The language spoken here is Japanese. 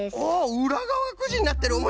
うらがわがくじになってるおもしろい！